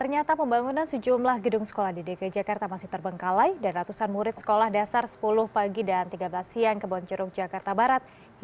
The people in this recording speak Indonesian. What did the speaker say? ya baik terima kasih